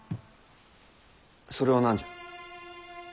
それは何じゃ？